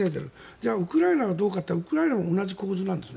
じゃあウクライナはどうかといったらウクライナも同じ構図なんです。